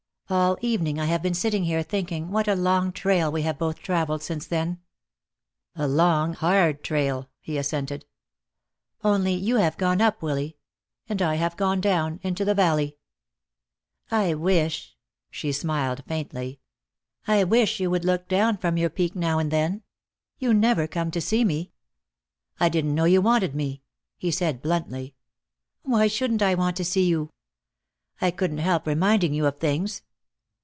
"All evening I have been sitting here thinking what a long trail we have both traveled since then." "A long, hard trail," he assented. "Only you have gone up, Willy. And I have gone down, into the valley. I wish" she smiled faintly "I wish you would look down from your peak now and then. You never come to see me." "I didn't know you wanted me," he said bluntly. "Why shouldn't I want to see you?" "I couldn't help reminding you of things."